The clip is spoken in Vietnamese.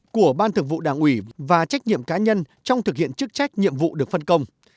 của ban thực vụ đảng ủy và trách nhiệm cá nhân trong thực hiện chức trách nhiệm vụ được phân công